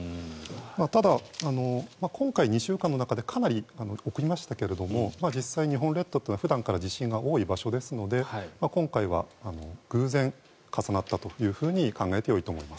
ただ、今回、２週間の中でかなり起こりましたけども実際に日本列島というのは普段から地震が多い場所ですので今回は偶然、重なったと考えていいと思います。